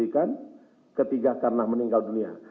ketiga karena meninggal dunia